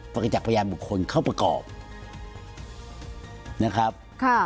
ประกันจากพยานบุคคลเข้าประกอบนะครับค่ะ